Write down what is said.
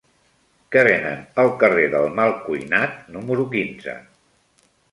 Què venen al carrer del Malcuinat número quinze?